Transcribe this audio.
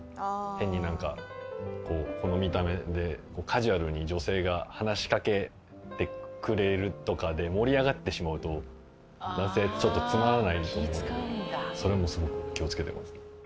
変になんか、こう、この見た目でカジュアルに女性が話しかけてくれるとかで盛り上がってしまうと、男性、ちょっとつまらないと思うんで、それもすごく気をつけてますね。